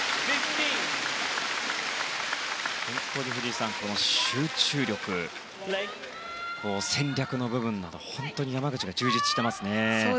藤井さん、この集中力戦略の部分など本当に山口は充実していますね。